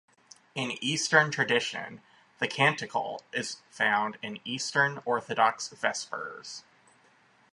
In eastern tradition the canticle is found in Eastern Orthodox Vespers.